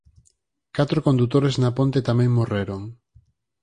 Catro condutores na ponte tamén morreron.